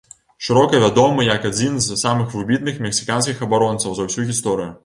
Шырока вядомы як адзін з самых выбітных мексіканскіх абаронцаў за ўсю гісторыю.